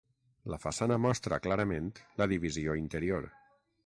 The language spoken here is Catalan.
La façana mostra clarament la divisió interior.